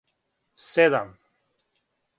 седам